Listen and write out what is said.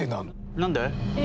何で？